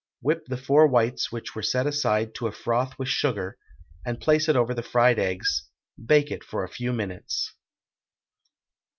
Whip the four whites which were set aside to a froth with sugar, and place it over the fried eggs; bake it for a few minutes.